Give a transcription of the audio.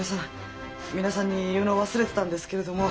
皆さんに言うの忘れてたんですけれども。